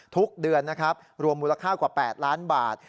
ทุกเดือนนะครับรวมมูลค่ากว่า๘ล้านบาท